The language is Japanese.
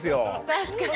確かに。